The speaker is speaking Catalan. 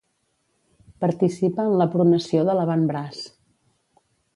Participa en la pronació de l'avantbraç.